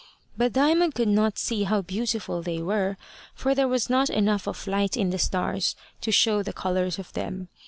But Diamond could not see how beautiful they were, for there was not enough of light in the stars to show the colours of them.